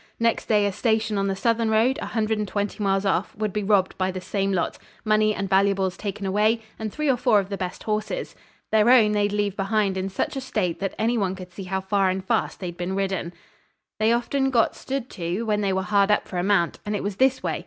Next day a station on the southern road, a hundred and twenty miles off, would be robbed by the same lot. Money and valuables taken away, and three or four of the best horses. Their own they'd leave behind in such a state that any one could see how far and fast they'd been ridden. They often got stood to, when they were hard up for a mount, and it was this way.